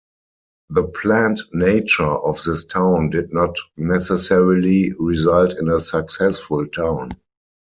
The 'planned' nature of this town did not necessarily result in a successful town.